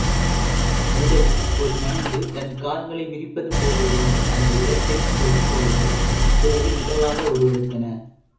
முதலில் ஒரு நண்டு தன் கால்களை விரிப்பது போலிருந்த அந்த இரட்டை ஒளிக்கோடுகள் பிறகு நிலவாக உருவெடுத்தன.